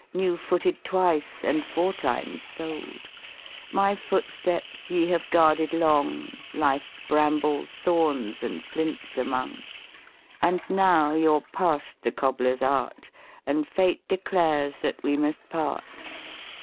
New footed twice, and four times soled ; My footsteps ye have guarded long, Life's brambles, thorns, and flints among; And now you're past the cobbler's art, And fate declares that we must part.